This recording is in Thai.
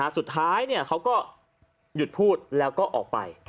สุดท้ายเขาก็หยุดพูดแล้วก็ออกไป